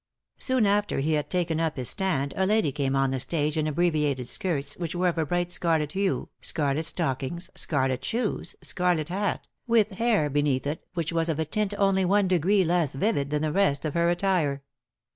Soon after he had taken up his stand a lady came on to the stage in abbreviated skirts which were of a bright scarlet hue, scarlet stockings, scarlet shoes, scarlet hat, with hair beneath it which was of a tint only one degree less vivid than the rest of her attire.